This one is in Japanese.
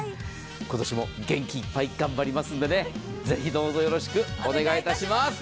今年も元気いっぱい頑張りますのでぜひどうぞよろしくお願いいたします。